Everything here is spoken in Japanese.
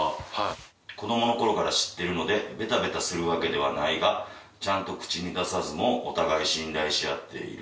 子供のころから知ってるのでべたべたするわけではないがちゃんと口に出さずもお互い信頼し合っている。